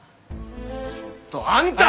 ちょっとあんた！